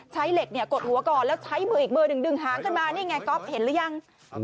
ใช้เหล็กเนี่ยกดหัวก่อนแล้วใช้มืออีกมือหนึ่งดึงหางขึ้นมานี่ไงก๊อฟเห็นหรือยัง